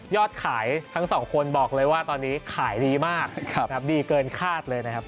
ยอดขายทั้ง๒คนบอกเลยว่าตอนนี้ขายดีมากดีเกินคาดเลย